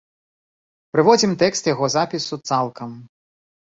Прыводзім тэкст яго запісу цалкам.